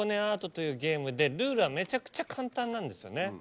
というゲームでルールはめちゃくちゃ簡単なんですよね。